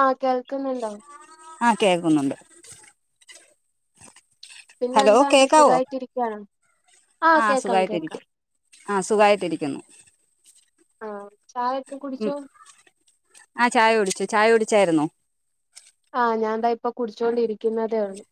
ആഹ് കേൾക്കുന്നുണ്ടോ? ആഹ് കേക്കുന്നുണ്ട്. പിന്നെ ഹലോ എന്താ ആൻ്റി കേക്കാവോ സുഖായിട്ട് ഇരിക്കാണോ? ആഹ് കേക്കാം കേക്കാം. ആഹ് സുഖായിട്ടിരിക്കുന്നു. ആഹ് ചായ ഒക്കെ കുടിച്ചോ? ആഹ് ചായ കുടിച്ചു, ചായ കുടിച്ചായിരുന്നൊ? ആഹ് ഞാൻ ദാ ഇപ്പൊ കുടിച്ചോണ്ടിരിക്കുന്നതേ ഉള്ളൂ.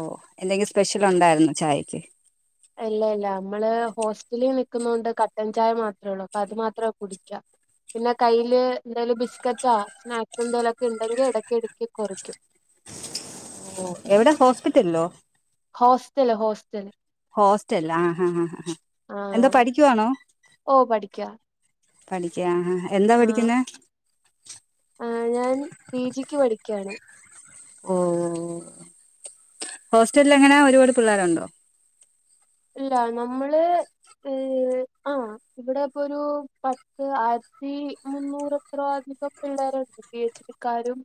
ഓഹ് എന്തെങ്കി സ്പെഷ്യൽ ഉണ്ടായിരുന്നൊ ചായക്ക്? ഇല്ല ഇല്ല. നമ്മള് ഹോസ്റ്റലി നിക്കുന്നൊണ്ട് കട്ടൻ ചായ മാത്രേ ഉള്ളൂ അപ്പൊ അത് മാത്രാ കുടിക്കാ. പിന്നെ കയ്യില് എന്തെലും ബിസ്ക്കറ്റാ സ്നാക്സ് എന്തെലൊക്കെ ഇണ്ടെങ്കി എടക്കെടക്ക് കൊറിക്കും. ഓഹ്. എവിടെ ഹോസ്പിറ്റൽല്ലോ? Hostel hostel. ഹോസ്റ്റൽ. ആഹാ ഹാ ഹാ ഹ. എന്താ ആഹ് പഠിക്കുവാണോ? ഓ പഠിക്കാ പഠിക്ക്യാ ആഹാഹ എന്താ പഠിക്ക്യുന്നെ? ആഹ് ഞാൻ പി ജിക്ക് പഠിക്ക്യാണ്. ഓഹ് ഹോസ്റ്റൽല് എങ്ങനാ ഒരുപാട് പിള്ളേരുണ്ടോ? ഇല്ല നമ്മള്, ഏഹ് ആഹ് ഇവിടെ ഇപ്പൊ ഒരു പത്ത് ആയിരത്തി മുന്നൂറ് എത്രോ അധികം. പിള്ളേരുണ്ട് പി എച്ച് ഡി ക്കാരും.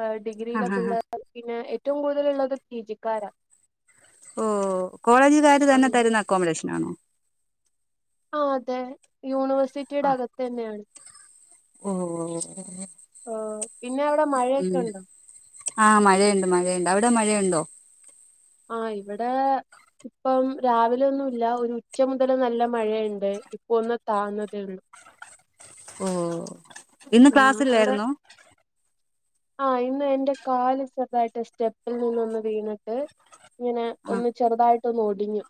ഏഹ് ആ ഡിഗ്രിയിലെ ആ ആ പിള്ളേർ പിന്നെ ഏറ്റവും കൂടുതലുള്ളത് പീ ജി ക്കാരാ. ഓഹ് കോളേജുകാര് തന്നെ ആഹ് തരുന്ന അക്കോമഡേഷൻ ആണോ? ആഹ് അതെ യൂണിവേഴ്സിറ്റിയുടെ ആ അകത്തന്നെയാണ്. ഓ ഓഹ്. പിന്നവടെ മഴയൊക്കെ ഉണ്ടോ? ആഹ് മഴയുണ്ട് മഴയുണ്ട്. അവിടെ മഴയുണ്ടോ? ആഹ് ഇവടെ. ഇപ്പം രാവിലെ ഒന്നുല്ല ഒരു ഉച്ച മുതൽ നല്ല മഴയ്ണ്ട് ഇപ്പ ഒന്ന് താന്നതേ ഉള്ളൂ. ഓഹ്. ഇന്ന് ആഹ് അവിടെ ക്ലാസ്സില്ലായിരുന്നോ? ആഹ് ഇന്ന് എന്റെ കാല് ചെറ്തായിട്ട് സ്റ്റെപ്പിൽ നിന്നൊന്ന് വീണിട്ട്. ഇങ്ങനെ ആ ഒന്ന് ചെറുതായി ട്ടൊന്ന് ഒടിഞ്ഞു.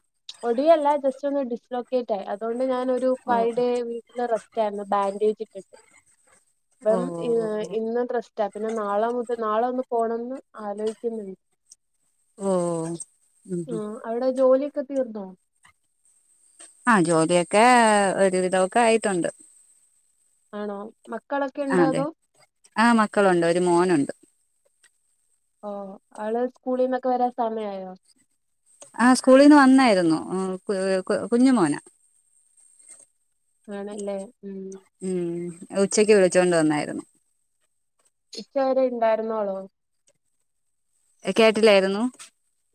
ഒടിയല്ല ജസ്റ്റ് ഒന്ന് ഡിസ് ലൊക്കേറ്റ് ആയി. അതോണ്ട് ഞാനൊരു ഓ ഫൈവ് ഡേ വീ ല് റസ്റ്റായിരുന്നു ബാൻഡേജ് ഇട്ടിട്ട്. ഓ അപ്പം ഏഹ് ഇന്ന് റസ് സ്റ്റാ. പിന്നെ നാളെ മുതൽ നാളെ ഒന്ന് പോണംന്ന് ആലോയിക്കുന്നുണ്ട്. ഓ ഉം ഉം ആഹ് അവിടെ ജോലിയൊക്കെ തീർന്നോ? ആഹ് ജോലിയൊക്കെ ഒരുവിധമൊക്കെ ആയിട്ടുണ്ട്. ആണോ മക്കളൊക്കെ ഇണ്ടോ അതോ ആഹ്‌ മക്കളുണ്ട് ഒരു മോനുണ്ട്. ഓഹ് ആള് സ്കൂളീന്നൊക്കെ വരാൻ സമയായോ? ആഹ് സ്കൂളീന്ന് വന്നായിരുന്നു. ഏഹ് ക് കു കു കുഞ്ഞു മോനാ. ആണല്ലേ ഉംഹ്. ഉംഹ്. ഉച്ചക്ക് വിളിച്ചോണ്ട് വന്നായിരുന്നു. ഉച്ചവരെ ഉണ്ടായിരുന്നോളോ കേട്ടില്ലായിരുന്നു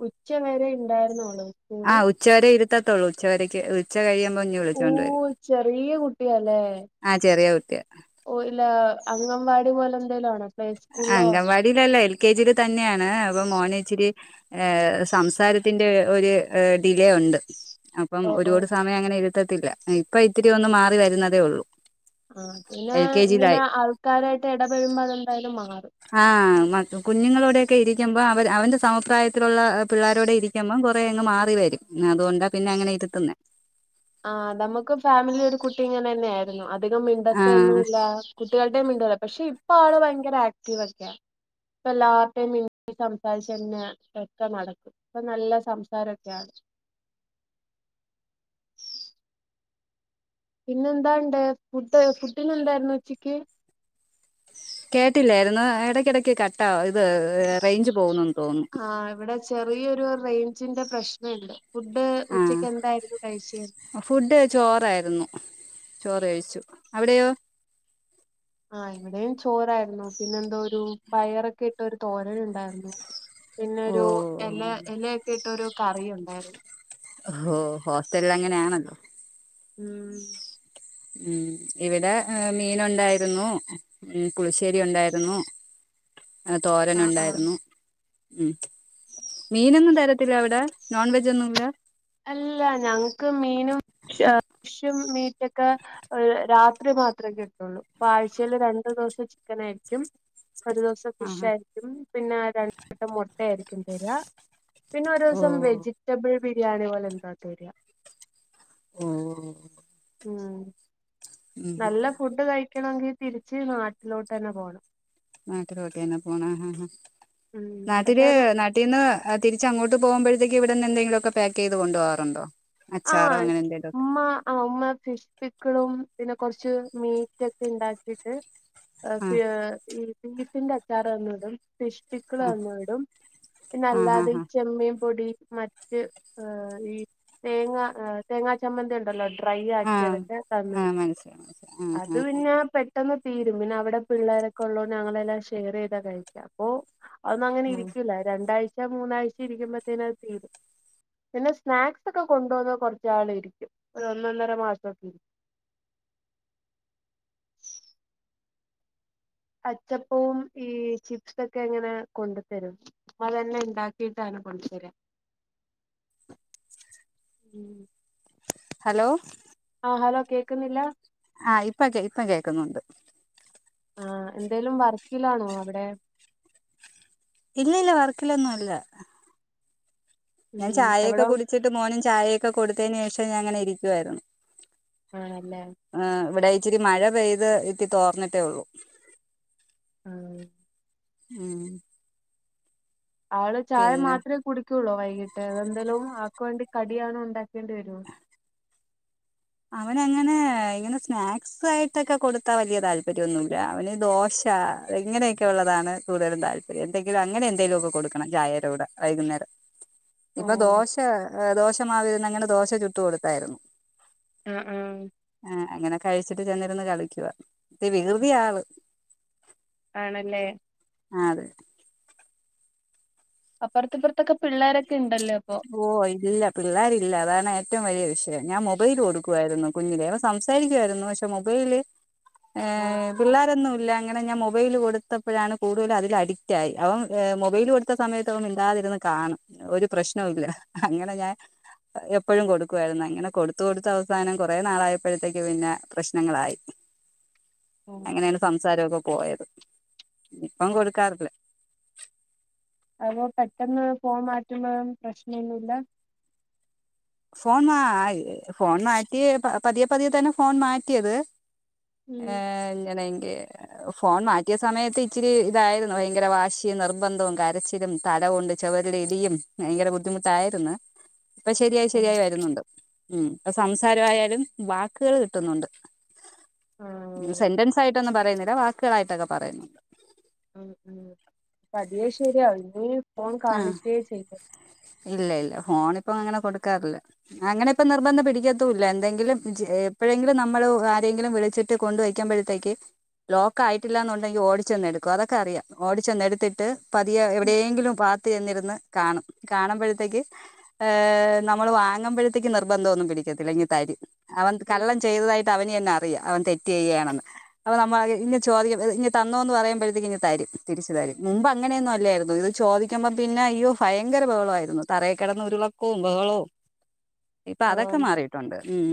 ഉച്ചവരെ ഉണ്ടായിരുന്നോള്ളു ആ സ്കൂള് ഉച്ചവരെ ഇരുത്തത്തുള്ളൂ ഉച്ചവരെക്ക് ഉച്ച കഴിയുമ്പോ ഓ വിളിച്ചൊണ്ടരും ചെറിയ കുട്ടിയാല്ലേ ആ ചെറിയ കുട്ടിയ ഓ ഇല്ല അംഗൻവാടി പോലെ എന്തേലും ആണോ പ്ലേ സ്കൂളിലോ അങ്കൻവാടിയിലല്ലഎൽ കെ ജിൽ തന്നെയാണ് അപ്പൊ മോനേച്ചിരി ഏഹ്‌ സംസാരത്തിന്റെ ഒരു ഡിലെയുണ്ട് അപ്പം ഓ ഓ ഒരുപാട് സമയം അങ്ങനെ ഇരുത്തത്തില്ല ഇപ്പ ഇത്തിരി ഒന്ന് മാറി വരുന്നതേ ഉള്ളൂ ആഹ് പിന്നെ എൽ കെ ജിയിലായി ഇങ്ങനെ ആൾക്കാരായിട്ട് ഇടപെഴമ്പോ അതെന്തായാലും മാറും ആഹ് മ കുഞ്ഞുങ്ങളോടെയൊക്കെ ഇരിക്കും അപ്പൊ അവ അവന്റെ സമപ്രായത്തിലുള്ള പിള്ളോരോടെ ഇരിക്കുമ്മം കൊറേ അങ്ങ് മാറി വരും അതുകൊണ്ടാ പിന്നെ അങ്ങനെ ഇരുത്തുന്നെ ആഹ് നമ്മക്കും ഫാമിലിലൊ ഒരു കുട്ടി ഇങ്ങനെന്നെ ആയിരുന്നു അധികം ആഹ് മിണ്ടത്തൊന്നുല്ല കുട്ട്യാൾടെയും മിണ്ടൂല പക്ഷെ ഇപ്പാള് ഭയങ്കര ആക്ടീവ് ഒക്കെയ ഇപ്പല്ലാര്ടെയും മിണ്ടിസംസാരിച്ചന്നെ ഒക്കെ നടക്കും ഇപ്പൊ നല്ല സംസാരൊക്കെയാണ് പിന്നെന്താണ്ട് ഫുഡ് ഫുഡിന ന്തായിരുന്നു ഉച്ചക്ക് കേട്ടില്ലായിരുന്നു ഇടക്കിടയ്ക്ക് കട്ടാ ഇത് റേഞ്ച് പോകുന്നുന്ന് തോന്നുന്നു ആഹ് ഇവിടെ ചെറിയൊരു റേഞ്ചിന്റെ പ്രശ്നമുണ്ട് ഫുഡ് ഉച്ചക്ക് ആഹ് എന്തായിരുന്നു കഴിച്ചെ ഫുഡ് ചോറായിരുന്നു ചോറ് കഴിച്ചു അവിടെയോ ആഹ് ഇവിടെയും ചോറാ യിരുന്നു പിന്നെന്തോരു പയറൊക്കെ ഇട്ടൊരു തോരൻ ഉണ്ടായിരുന്നു പിന്നെരു എല ഓഹ് എലയൊക്കെ ഇട്ടൊരു കറിയുണ്ടായിരുന്നു ഓഹൊ ഹോസ്റ്റലിൽ അങ്ങനെയാണല്ലോ ഉംഹ് ഉംഹ് ഇവിടെ മീനുണ്ടായിരുന്നു ഉംഹ് പുളിശ്ശേരി ഉണ്ടായിരുന്നു തോരൻ ആഹ് ആഹ് ഉണ്ടായിരുന്നു മീനൊന്നും തരത്തില്ല അവിടെ നോൺ വെജൊന്നുല്ല അല്ല ഞങ്ങക്ക് മീനും ഷ് ഷും മീറ്റൊക്കെ രാത്രി മാത്രെ കിട്ടുള്ളു ഇപ്പാഴ്ചയില് രണ്ടു ദിവസം ചിക്കനായിരിക്കും ഒരു ദിവസം ആഹ് ഫിഷ് ആയിരിക്കും പിന്നെ രണ്ട് വട്ടം മുട്ട ആയിരിക്കും തെര പിന്നെ ഒരു ഓ ദിവസം വെജിറ്റബിൾ ബിരിയാണി പോലെ എന്താ തെര [unintelligible] ഉംഹ് ഉം നല്ല ഫുഡ് കഴിക്കണങ്കിൽ തിരിച്ച് നാട്ടിലോട്ട് തന്നെ പോണം നാട്ടിലോട്ടെന്നെ പോണം ഹ് ഹ്‌ ഉം പക്ഷെ നാട്ടില് ഒരു ന ട്ടീന്ന് തിരിച്ചങ്ങോട്ട് പോകുമ്പഴത്തേക്ക് ഇവിടുന്ന് എന്തെങ്കിലൊക്കെ പേക്കേയ്ത് കൊണ്ട് പോകാറുണ്ടോ അച്ചാറോ ആഹ്‌ അങ്ങനെ എന്തേലുമൊക്കെ ഉമ്മ ആഹ്‌ ഉമ്മ ഫിഷ്പിക്ക്‌ളും പിന്നെ കൊറച്ച് മീറ്റൊക്കെ ഇണ്ടാക്കിട്ട് ആ എഹ് ഈ ബീഫിന്റെ അച്ചാറ്തന്നു വിടും ഫിഷ് - പിക്കിള് ആ തന്നു വിടും ആ ആ പിന്നെല്ലാതെ ഈ ചെമ്മീൻ പൊടി മ റ്റ് ആഹ് ഈ തേങ്ങ തേങ്ങാ ചമ്മന്തിണ്ടല്ലോ ഫ്രൈയി ആ ആ ആക്കിയതൊക്കെ തന്ന്‌ ആ വിടും മനസ്സിലായി മനസ്സിലായി ആ അത് ആ പിന്നെ പെ ട്ടെന്ന് തീരും പിന്നെ അവിടെ പിള്ളേരൊക്കെ ഉള്ളൊണ്ട് ഞങ്ങളെല്ലാം ഷെയർ ചെയ്താ കഴിയ്ക്ക അപ്പൊ അതൊന്നും അങ്ങനെ ഉം ഇരിക്കൂല രണ്ടാഴ്ച മൂന്നാഴ്ച ഇരിക്കുമ്പത്തേന അത് തീരും പിന്നെ സ്നാക്സ് അതൊക്കെ കൊണ്ട് പോന്ന കൊറച്ച്നാൾ ഇരിക്കും ഒരു ഒന്നൊന്നര മാസൊക്കെ ഇരിക്കും അച്ചപ്പവും ഈ ചിപ്സൊക്കെ ഇങ്ങനെ കൊണ്ടു തരും മ്മതന്നെ ഇണ്ടാക്കിട്ടാണ് കൊണ്ട്തര ഹലോ ആഹ് ഹലോ കേക്കുന്നില്ല ആഹ് ഇപ്പ ഇപ്പ കേൾക്കുന്നുണ്ട് ആഹ് എന്തേലും വർക്കിലാണോ അവിടെ ഇല്ല ഇല്ല വർക്കിലൊന്നുംല്ല ഞാൻ ഉം ചായയൊക്കെ എവിടോ കുടിച്ചിട്ട്, മോനും ചായയൊക്കെ കൊടുത്തതിന് ശേഷം ഞാങ്ങനെ ഇരിക്കുവായിരുന്നു ആണല്ലേ ഇവിടെ ഇച്ചിരി മഴ പെയ്ത് ഇത്തി തോർന്നിട്ടേ ഉള്ളു ആണോ ഉം ആള് ചായ പിന്നെ മാത്രെ കുടിക്കോള്ളോ വൈകിട്ട് അത എന്തേലും ആക്ക് വേണ്ടി കടിയാണ് ഉണ്ടാക്കേണ്ടി വരുവോ അവനങ്ങനെ ഇങ്ങനെ സ്നാക്സ് ആയിട്ടൊക്കെ കൊടുത്താ വലിയ താല്പര്യോന്നുല്ല അവന് ദോശ ഇങ്ങനെയൊക്കെള്ളതാണ് കൂടുതലും താല്പര്യം എന്തെങ്കിലും അങ്ങനെ എന്തേലുവൊക്കെ കൊടുക്കണം ചായേര കൂട വൈകുന്നേരം ഓ ഇപ്പ ദോശ ദോശമാവിരുന്നങ്ങനെ ദോശ ചുട്ടു കൊടുത്തായിരുന്നു മം മം ആഹ് അങ്ങനെ കഴിച്ചിട്ട് ചെന്നിര്ന്ന് കളിക്കുക. ഇത്തി വികൃതിയാ ആള് ആണല്ലേ ആഹ് അതെ അപ്പറത്തുപ്പറത്തൊക്കെ പിള്ളോരൊക്കെ ഇണ്ടല്ലേ അപ്പൊ ഓ ഇല്ല പിള്ളേരില്ല അതാണ് ഏറ്റവും വലിയ വിഷയം. ഞാൻ മൊബൈൽ കൊടുക്കുവായിരുന്നു കുഞ്ഞിലേ ഇവൻ സംസാരിക്കുമായിരുന്നു പക്ഷെ മൊബൈല് ഏഹ് പിള്ളോരൊന്നും ഇല്ല അങ്ങനെ ഞാൻ മൊബൈൽ കൊടുത്തപ്പഴാണ് കൂടുതലും അതിൽ അഡിക്റ്റായി അവൻ മൊബൈൽ കൊടു കൊടുത്ത സമയത്തവൻ മിണ്ടാതെ ഇരുന്ന് കാണും ഒരു പ്രശ്നവും ഇല്ല അങ്ങനെ ഞാൻ എപ്പോഴും കൊടുക്കുവായിരുന്നു. അങ്ങനെ കൊടുത്ത് കൊടുത്ത് അവസാനം കുറെ നാളായപ്പഴത്തേക്ക് പിന്നെ പ്രശ്നങ്ങളായി ഓഹ് അങ്ങനെയാണ് സംസാരം ഒക്കെ പോയത് ഇപ്പം കൊടുക്കാറില്ല അപ്പൊ പെട്ടെന്ന് ഫോൺ മാറ്റുമ്പം പ്രശ്നൊന്നുല്ല ഫോൺ മാ ഫോൺ മാറ്റി പതിയെ പതിയെ തന്നെ ഫോൺ മാറ്റിയത് ഏഹ് ങ്ങനെ ഫോൺ മാറ്റിയ സമയത്ത് ഇച്ചിരി ഇതായിരുന്നു. ഭയങ്കര വാശിയും നിർബന്ധവും കരച്ചിലും തല കൊണ്ട് ചോവരിലിടിയും ഭയങ്കര ബുദ്ധിമുട്ടായിരുന്ന് ഇപ്പ ശരിയായി ഉം ശരിയായി വരുന്നുണ്ട്. ഉം പ്പ സംസാരമായാലും വാക്കുകൾ കിട്ടുന്നുണ്ട് ആഹ് സെന്റൻസ് ആയിട്ടൊന്നും പറയുന്നില്ല വാക്കുകളായിട്ടൊക്കെ പറയും ഉം ഉം പതിയേ ശരിയാവും ഇനി ഫോൺ ആഹ് കാണിക്കേ ചെയ്യരുത് ഇല്ല ഇല്ല ഫോണിപ്പം അങ്ങനെ കൊടുക്കാറില്ല അങ്ങനെ ഇപ്പ നിർബന്ധം പിടിക്കത്തൂല്ല എന്തെങ്കിലും എപ്പഴങ്കിലും നമ്മള് ആരെങ്കിലും വിളിച്ചിട്ട് വിളിച്ചിട്ട് കൊണ്ടുവയ്ക്കുമ്പഴത്തക് ലോക്കായിട്ടില്ലാന്നുണ്ടെങ്കി ഓടിച്ചെന്ന്ടുക്കും. അതക്ക അറിയാം ഓടി ചെന്നെടുത്തിട്ട് പതിയെ ഉം എവിടെയെങ്കിലും പാ പാത്ത് ചെന്നിരുന്ന് കാണും കാണുമ്പഴ്ത്തക്ക് ഏഹ് നമ്മൾ വാങ്ങുമ്പഴത്തേക്ക് നിർബന്ധം ഒന്നും പിടിക്കത്തില്ല ഇങ്ങ് തരും അവൻ ഉം കള്ളം ചെയ്തതായിട്ട് അവന് തന്ന അറിയാം അവൻ തെറ്റ് ചെയ്യേണെന്ന് അപ്പൊ നമ്മ ഇ ചോദിക്ക ഇങ് തന്നോ എന്ന് പറയുമ്പഴത്തക്ക് ഇങ് തരും. തിരിച്ചു തരും. മുമ്പ് അങ്ങനേന്നും അല്ലായിരുന്നു ഇത് ചോദി ചോദിക്കുമ്പ പിന്നെ അയ്യോ ഭയങ്കര ബഹളയിരുന്നു തറയി കിടന്ന് ഉരുളക്കവും ബഹളവും ഇപ്പ അതക്കെ ആഹ് മാറീട്ടൊണ്ട് ഉം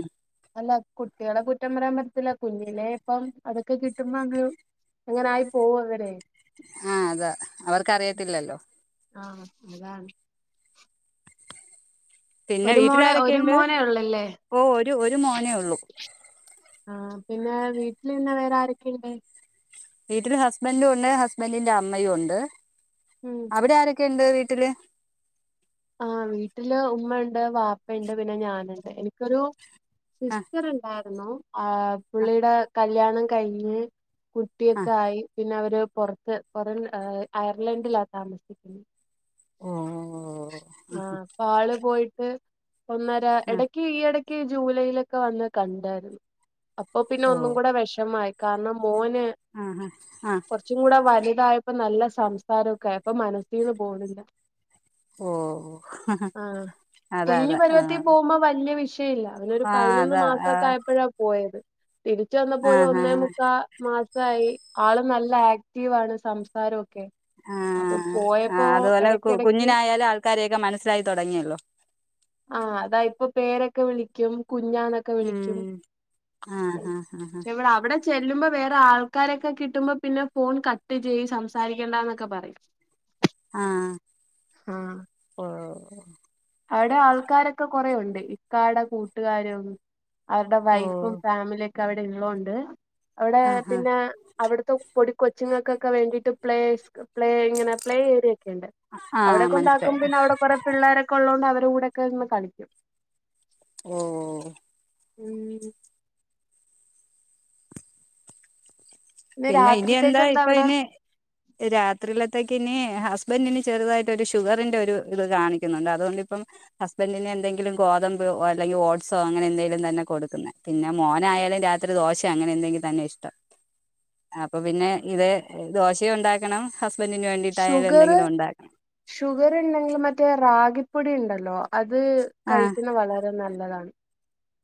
അല്ല കുട്ടികളെ കുറ്റം പറയാൻ പറ്റത്തില്ല കുഞ്ഞിലേ ഇപ്പം അതൊക്കെ കിട്ടുമ്പ അങ്ങ് അങ്ങനായി പോവും അവരെ ആഹ് അതാ അവർക്കറിയത്തില്ലല്ലോ ആഹ് അതാണ് പിന്നെ ഒരു മോളെ ഒരു വീട്ടിലാരൊക്കെയുണ്ട് മോനേ ഉള്ളല്ലേ ഓ ഒരു ഒരു മോനേ ഉള്ളൂ ആഹ് പിന്നെ വീട്ടില് പിന്നെ വേറാരൊക്കെയ്ണ്ട് വീട്ടില് ഹസ്ബന്റും ഒണ്ട് ഹസ്ബന്റിന്റെ അമ്മയും ഒണ്ട് ഉം അവിടെ ആരൊക്കെയ്ണ്ട് വീട്ടില് ആഹ് വീട്ടില് ഉമ്മയ്ണ്ട് വാപ്പയ്ണ്ട് പിന്നെ ഞാന്ണ്ട് എനി ക്കൊരു ആ സിസ്റ്റർണ്ടാരുന്നു ആഹ് ആ പുള്ളീടെ കല്യാണം കഴിഞ്ഞ് ആ കുട്ടിയൊക്കെ ആയി പിന്നവര് പൊറത്ത് പൊറം അയർലൻഡിലാ താമസിക്കുന്നത് ഓ ആഹ് ഇപ്പൊ ആള് പോയിട്ട് ഒന്നര ആ എടക്ക് ഈയെടക്ക് ജൂലൈയിലൊക്കെ വന്ന് കണ്ടാരുന്നു അപ്പൊ പിന്നെ ഓ ഒന്നും കൂടെ വെഷമായി കാരണം മോന് ആഹ് ആഹ് ആഹ് കൊർച്ചും കൂടെ വലുതായപ്പോ നല്ല സംസാരൊക്കായ് ഇപ്പം മനസ്സീന്ന് പോണില്ല ഓഹ് ആഹ് കുഞ്ഞു പരിവത്തി പോകുമ്പോ വല്യ വിഷയ ട്ടീല്ല അവനൊരു ആ പതിനൊന്ന് അതാ ആ മാസക്കെ ആയപ്പഴാ പോയത് തിരിച്ച് ആ വന്നപ്പൊരു ആ ഒന്നേ ആ മുക്കാ മാസായി ആള് നല്ല ആക്റ്റീവാണ് സംസാരൊക്കെ അപ്പൊ പോയപ്പോ എടക്കെടക്ക് ഇങ്ങനായാലും ആൾക്കാരെയെക്കെ മനസ്സിലായി തൊടങ്ങിയല്ലോ ആഹ് അതാ ഇപ്പൊ പേരൊക്കെ വിളിക്കും കുഞ്ഞാന്ന് ക്കെ വിളിക്കും ഉം ആഹ് ആഹ് ആഹ് എവിടാ അവിടെ ചെല്ലുമ്പോ വേറെ ആൾക്കാരെക്കെ കിട്ടുമ്പോ പിന്നെ ഫോൺ കട്ട് ചെയ്യും സംസാരിക്കണ്ടാന്നൊക്കെ പറയും ആഹ് ആ ഓഹ് അവിടെ ആൾക്കാരൊക്കെ കൊറേയൊണ്ട് ഇക്കാടെ കൂട്ടുകാരും അവര്ടെ വൈഫും ഓഹ് ഫാമിലിയക്കെ അവിടെ ഇള്ളകൊണ്ട് അവിടേ ആഹ് പിന്നെ അവിടത്തെ പൊടി കൊച്ച്ങ്ങക്കക്കെ വേണ്ടിട്ട് പ്ലേസ് പ്ലേ ഇങ്ങനെ പ്ലേ ഏരിയക്കെണ്ട് ആഹ് ആഹ് അവിടെകൊണ്ടാക്കും മനസ്സിലായി പിന്നെ അവിടെ കൊറെ പിള്ളേരക്കെ ഒള്ളകൊണ്ട് അവരെ കൂടെയൊക്കെ ഇര്ന്ന് കളിക്കും ഓഹ് ഉം പിന്നെ ഇനി എന്താ ഇപ്പ ഇനി രാത്രിലത്തേക്ക് ഇനി ഹസ്ബന്റിന് ചെറുതായിട്ടൊരു ഷുഗറിന്റെ ഒരു ഇത് കാണിക്കുന്നുണ്ട് അതുകൊണ്ട് ഇപ്പം ഹസ്ബന്റിന് എന്തെങ്കിലും ഗോതമ്പോ അല്ലെങ്കി ഓട്സോ അങ്ങനെ എന്തേലും തന്നെ കൊടുക്കുന്നെ പിന്നെ മോനായാലും രാത്രി ദോശ അങ്ങനെന്തെങ്കിലും തന്നെ ഇഷ്ടം ആഹ് അപ്പൊ പിന്നെ ഇത് ദോശയും ഉണ്ടാക്കണം ഹസ്ബന്റിന് വേണ്ടിയിട്ടായാലും എന്തെങ്കിലും ഒണ്ടാക്കണം ഷുഗർണ്ടെങ്കില് മറ്റേ റാഗിപ്പൊടി ഇണ്ടല്ലോ അത് ആഹ് കഴിക്കുന്നെ വളരെ അത് നല്ലതാണ്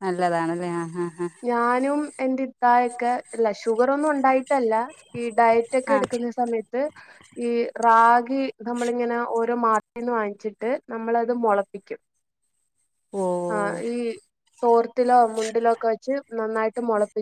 നല്ലതാണല്ലേ ആഹ് ആഹ് ആഹ് ഞാനും എന്റിത്തായക്കെ ഇല്ല ഷുഗറൊന്നും ഉണ്ടായിട്ടല്ല ഇഷ്ടല്ല ഈ ഡയറ്റക്കെ ആഹ് ആഹ് എട്ക്ക്ന്ന സമയത്ത് ഈ റാഗി ന്നമ്മളിങ്ങനെ ഓരോ മാർട്ടന്ന് വാങ്ങിച്ചിട്ട് നമ്മളത് മൊളപ്പിക്കും. ആഹ് ഓ ഈ തോർത്തിലോ മുണ്ടിലോക്കെ വേ ച്ച് ന്നന്നായിട്ട് മൊളപ്പി